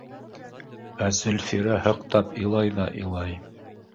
Ә Зөлфирә һыҡтап илай ҙа илай.